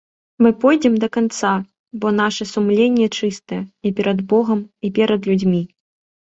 Мы пойдзем да канца, бо наша сумленне чыстае і перад богам, і перад людзьмі.